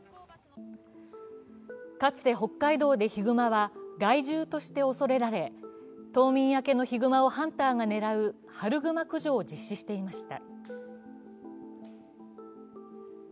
かつて北海道でヒグマは害獣として恐れられ、冬眠明けのヒグマをハンターが狙う春グマ駆除を実施していました。